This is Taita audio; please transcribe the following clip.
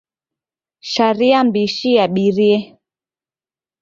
Sharia m'bishi yabirie.